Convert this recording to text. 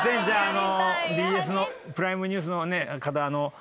じゃあＢＳの『プライムニュース』の方。